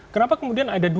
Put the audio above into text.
kenapa kemudian ada dua